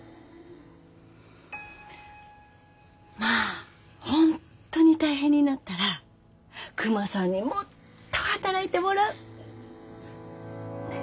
まあ本当に大変になったらクマさんにもっと働いてもらう。ね？